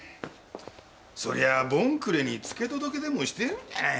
そりゃあ盆暮れに付け届けでもしてるんじゃないのか？